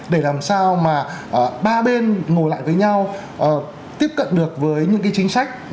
để làm sao mà ba bên ngồi lại với nhau tiếp cận được với những cái chính sách